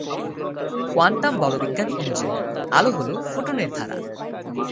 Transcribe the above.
Quantum বলবিজ্ঞান অনুযায়ী, আলো হলো ফোটনের ধারা।